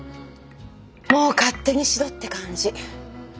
もう勝手にしろって感じ。